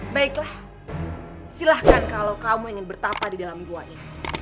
baiklah silahkan kalau kamu ingin bertapa di dalam guanya